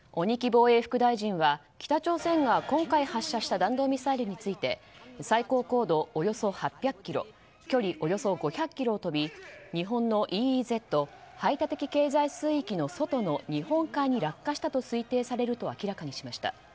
防衛副大臣は北朝鮮が今回発射した弾道ミサイルについて最高高度およそ８００ｋｍ距離およそ５００ｋｍを飛び日本のＥＥＺ・排他的経済水域の外の日本海に落下したと推定されると明らかにしました。